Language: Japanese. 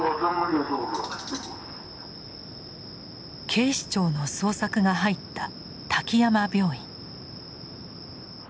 警視庁の捜索が入った滝山病院。